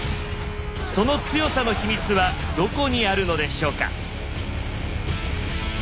その強さの秘密はどこにあるのでしょうか。